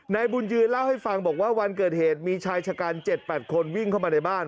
นายบุญยืนเล่าให้ฟังบอกว่าวันเกิดเหตุมีชายชะกัน๗๘คนวิ่งเข้ามาในบ้าน